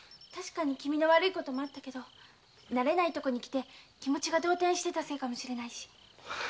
気味悪いこともあったけどなれない所に来て気持ちが動転してたせいかもしれない。